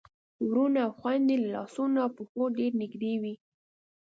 وروڼه او خويندې له لاسونو او پښو ډېر نږدې وي.